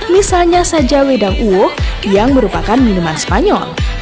misalnya saja wedang uwu yang merupakan minuman spanyol